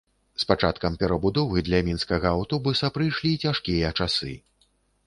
З пачаткам перабудовы для мінскага аўтобуса прыйшлі цяжкія часы.